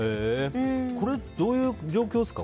これ、どういう状況ですか？